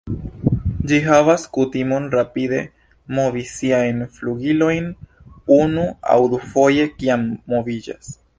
Ĝi havas kutimon rapide movi siajn flugilojn unu aŭ dufoje kiam moviĝas.